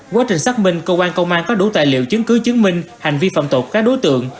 quá trình xác minh công an công an có đủ tài liệu chứng cứ chứng minh hành vi phạm tột các đối tượng